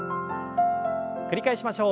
繰り返しましょう。